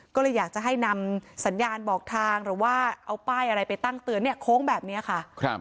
ก็เลยอยากจะให้นำสัญญาณบอกทางหรือว่าเอาป้ายอะไรไปตั้งเตือนเนี่ยโค้งแบบนี้ค่ะ